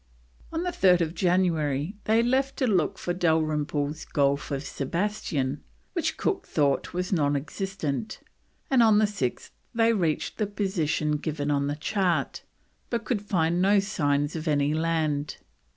On 3rd January they left to look for Dalrymple's Gulf of Sebastian, which Cook thought was non existent, and on the 6th they reached the position given on the chart, but could find no signs of any land.